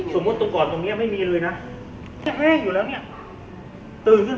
สมมุตินะสมมุติสมมุติ